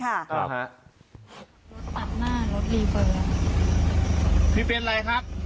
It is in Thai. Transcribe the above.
ครับครับรถตัดหน้ารถรีเฟอร์พี่เป็นอะไรครับ